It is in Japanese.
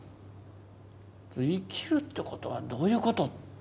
生きるってことはどういうこと？